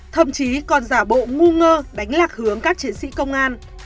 thậm chí còn giả bộ ngu ngơ đánh lạc hướng các chiến sĩ công an